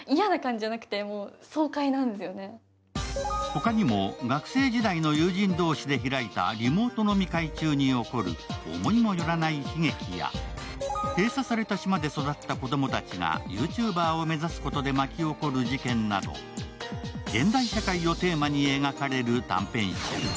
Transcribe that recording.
ほかにも学生時代の友人同士で開いたリモート飲み会中に起こる思いもよらない悲劇や、閉鎖された島で育った子供たちがＹｏｕＴｕｂｅｒを目指すことで巻き起こる事件など、現代社会をテーマに描かれる短編集。